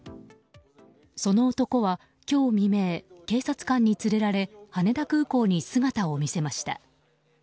その男は今日未明警察官に連れられ羽田空港に姿を見せました。